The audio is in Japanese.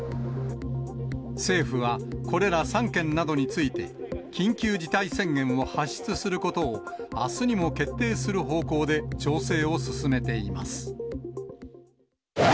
政府は、これら３県などについて、緊急事態宣言を発出することを、あすにも決定する方向で調整を進めています。